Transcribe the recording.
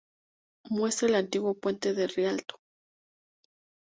Muestra el antiguo puente de Rialto.